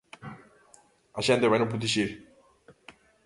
A xente vaino protexer.